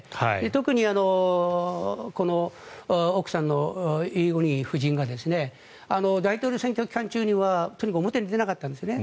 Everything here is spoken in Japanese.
特に、この奥さんのキム・ゴンヒ夫人が大統領選挙期間中にはとにかく表に出なかったんですね。